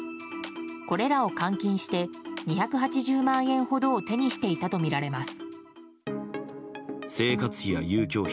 これらを換金して２８０万円ほどを手にしていたとみられます。